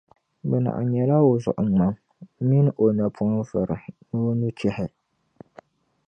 bɛ naɣ’ nyala o zuɣuŋmaŋ min’ o napɔnvari ni o nuchɛhi.